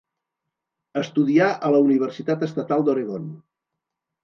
Estudià a la Universitat Estatal d'Oregon.